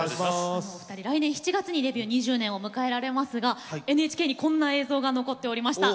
お二人、来年７月にデビュー２０年を迎えられますがＮＨＫに、こんな貴重な映像が残っていました。